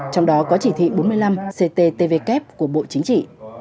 trong đó có chỉ thị bốn mươi năm cttvk của bộ chính trị